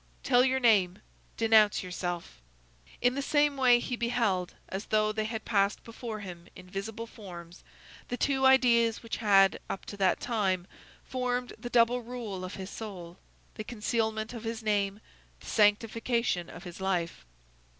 Tell your name! Denounce yourself!"_ In the same way he beheld, as though they had passed before him in visible forms, the two ideas which had, up to that time, formed the double rule of his soul,—the concealment of his name, the sanctification of his life.